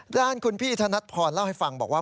ด้านคุณพี่ธนัดพรเล่าให้ฟังบอกว่า